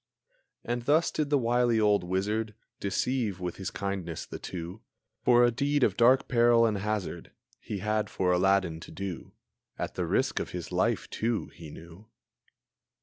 And thus did the wily old wizard Deceive with his kindness the two For a deed of dark peril and hazard He had for Aladdin to do, At the risk of his life, too, he knew.